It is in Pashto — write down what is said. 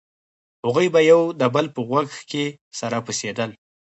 هغوى به يو د بل په غوږ کښې سره پسېدل.